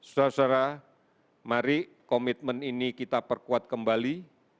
sudah sudah mari komitmen ini kita perkuat kembali